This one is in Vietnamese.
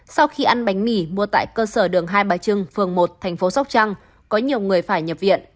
sau khi ăn bánh mì mua tại cơ sở đường hai bà trưng phường một thành phố sóc trăng có nhiều người phải nhập viện